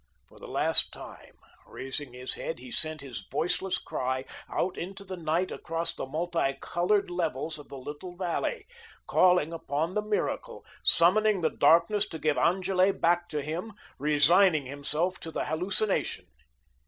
For the last time, raising his head, he sent his voiceless cry out into the night across the multi coloured levels of the little valley, calling upon the miracle, summoning the darkness to give Angele back to him, resigning himself to the hallucination.